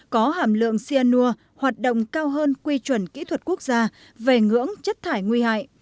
có hàm lượng cyanur hoạt động cao hơn quy chuẩn kỹ thuật quốc gia về ngưỡng chất thải nguy hại